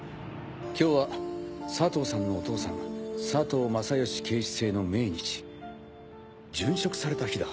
今日は佐藤さんのお父さん佐藤正義警視正の命日殉職された日だ。